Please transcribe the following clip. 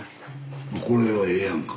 これはええやんか。